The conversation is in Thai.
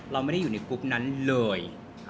เราไม่ได้อยู่ในกรุ๊ปนั้นเลย